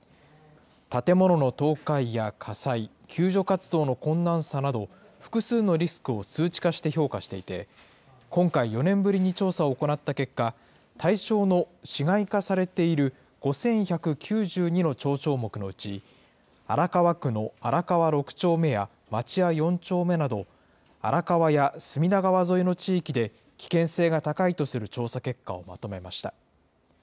建物の倒壊や火災、救助活動の困難さなど、複数のリスクを数値化して評価していて、今回、４年ぶりに調査を行った結果、対象の市街化されている５１９２の町丁目のうち、荒川区の荒川６丁目や町屋４丁目など、荒川や隅田川沿いの地域で、危険性が高いとする調査結果をまとめました。